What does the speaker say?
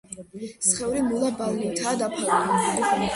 სხეული მურა ბალნითაა დაფარული.